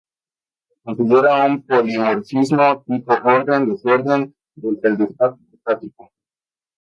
Se considera un polimorfismo tipo orden-desorden del feldespato potásico.